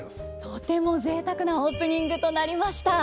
とてもぜいたくなオープニングとなりました。